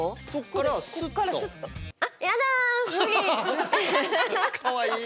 かわいい！